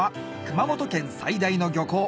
熊本県最大の漁港